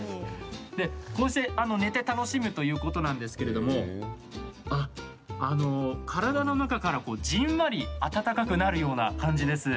こうして、寝て楽しむということなんですけれども体の中からこう、じんわり温かくなるような感じです。